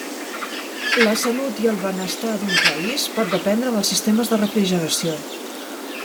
La salut i el benestar d'un país pot dependre dels sistemes de refrigeració.